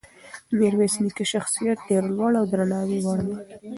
د میرویس نیکه شخصیت ډېر لوړ او د درناوي وړ دی.